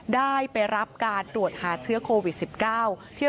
ได้ไปรับการตรวจหาเชื้อโควิด๑๙